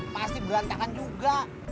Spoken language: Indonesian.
pasti berantakan juga